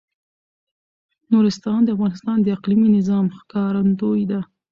نورستان د افغانستان د اقلیمي نظام ښکارندوی ده.